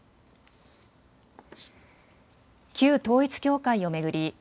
旧統一教会を巡り